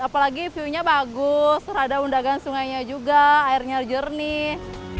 apalagi view nya bagus rada undagan sungainya juga airnya jernih